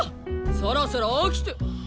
そろそろ起きて。